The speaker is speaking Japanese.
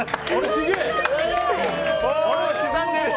すげえ。